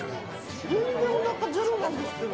全然おなかゼロなんですけど。